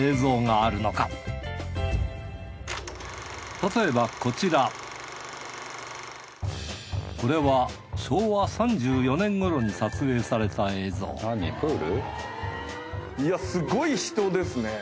たとえばこちらこれは昭和３４年頃に撮影された映像いやすごい人ですね。